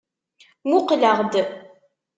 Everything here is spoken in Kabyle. Muqleɣ-d!